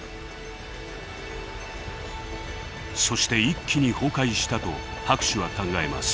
そして一気に崩壊したと博士は考えます。